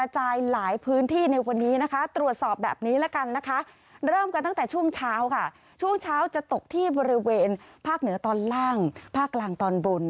จะตกที่บริเวณภาคเหนือตอนล่างภาคกลางตอนบน